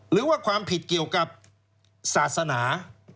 หรือว่าความผิดเกี่ยวกับศาสนา